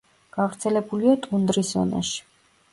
გავრცელებულია ტუნდრის ზონაში.